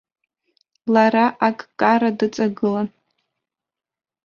Лара аккара дыҵагылан.